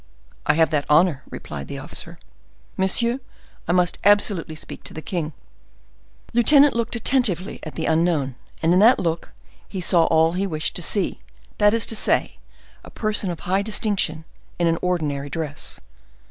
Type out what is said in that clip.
"I have that honor," replied the officer. "Monsieur, I must absolutely speak to the king." The lieutenant looked attentively at the unknown, and in that look, he saw all he wished to see—that is to say, a person of high distinction in an ordinary dress.